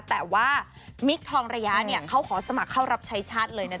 แต่ว่ามิคทองระยะเขาขอสมัครเข้ารับใช้ชาติเลยนะจ